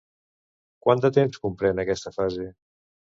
Quant de temps comprèn aquesta fase?